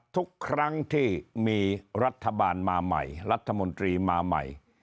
ทุกครั้งที่มีรัฐบาลมาใหม่รัฐมนตรีมาใหม่